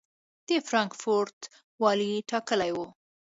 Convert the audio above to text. د فرانکفورټ والي ټاکلی و.